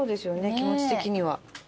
気持ち的には。